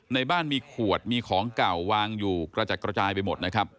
ในบ้านมีขวดมีของเก่าวางอยู่กระจัดกระจายไปหมดนะครับ